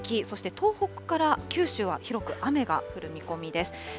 北海道は雪、そして東北から九州は広く雨が降る見込みです。